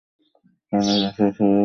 উপাসনা শেষ হইয়া গেল।